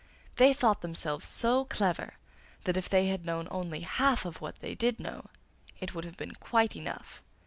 They thought themselves so clever, that if they had known only half of what they did know, it would have been quite enough.